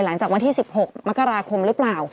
หลังจากวันที่๑๖มกราคมหรือเปล่า